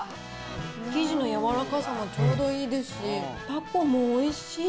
生地の柔らかさもちょうどいいですし、たこもおいしい。